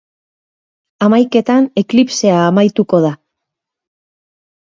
Hamaiketan eklipsea amaituko da.